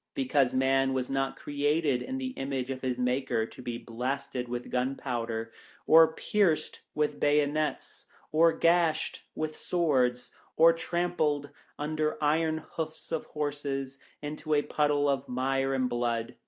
Because man was not created in the image of his Maker to be blasted with gunpowder, or pierced with bayonets, or gashed with swords, or trampled under iron hoofs of horses, into a puddle of mire and blood.